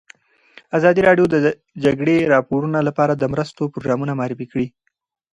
ازادي راډیو د د جګړې راپورونه لپاره د مرستو پروګرامونه معرفي کړي.